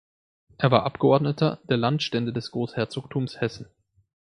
Er war Abgeordneter der Landstände des Großherzogtums Hessen.